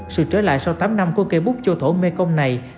sự trở lại sau tám năm của kê bút chô thổ mê công này